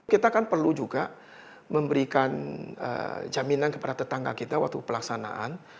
kita kan perlu juga memberikan jaminan kepada tetangga kita waktu pelaksanaan